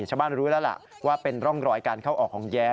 รู้แล้วล่ะว่าเป็นร่องรอยการเข้าออกของแย้